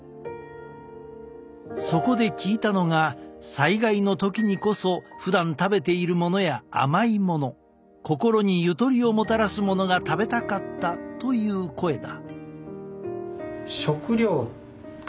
そこで聞いたのが災害の時にこそ「ふだん食べているものや甘いもの心にゆとりをもたらすものが食べたかった」という声だ。